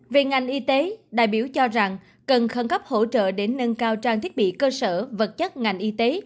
về ngành y tế đại biểu cho rằng cần khẩn cấp hỗ trợ để nâng cao trang thiết bị cơ sở vật chất ngành y tế